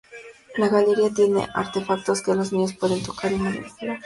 La galería tiene artefactos que los niños pueden tocar y manipular.